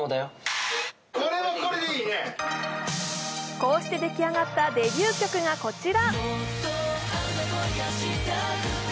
こうしてでき上がったデビュー曲がこちら。